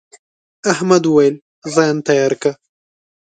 احمد وويل: ځان تیار که.